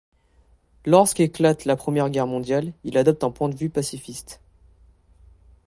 Lorsque éclate la Première Guerre mondiale, il adopte un point de vue pacifiste.